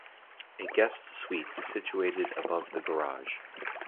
A guest suite is situated above the garage.